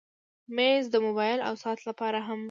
مېز د موبایل او ساعت لپاره هم وي.